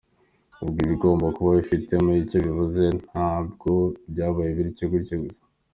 Ubwo bigomba kuba bifite icyo bivuze, ntabwo byabaye bityo gutyo gusa.